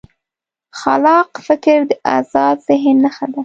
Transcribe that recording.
خلاق فکر د ازاد ذهن نښه ده.